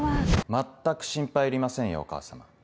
全く心配いりませんよお母様。